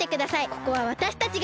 ここはわたしたちが。